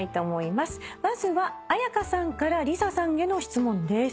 まずは絢香さんからＬｉＳＡさんへの質問です。